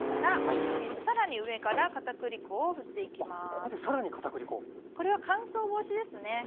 これは乾燥防止ですね。